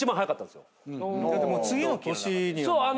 だって次の年には。